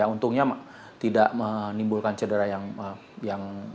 untungnya tidak menimbulkan cedera yang